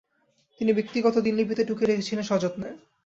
তিনি ব্যক্তিগত দিনলিপিতে টুকে রেখেছিলেন সযত্নে।